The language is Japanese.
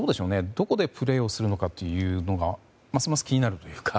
どこでプレーをするのかがますます気になるというか。